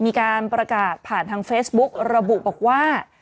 มีการประกาศผ่านทางเฟซบุ๊กระบุบอกว่า